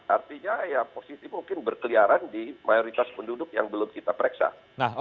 artinya ya posisi mungkin berkeliaran di mayoritas penduduk yang belum kita periksa